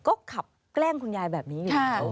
ก็ขับแกล้งคุณยายแบบนี้อยู่แล้ว